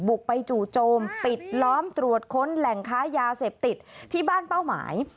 บุกไปจู่โจมปิดล้อมตรวจค้นแหล่งค้ายาเสพติดที่บ้านเป้าหมาย